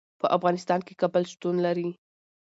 په افغانستان کې کابل شتون لري.